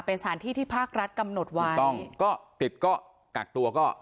เป็นสถานที่ที่ภาครัฐกำหนดไว้ถูกต้องก็ติดก็กักตัวก็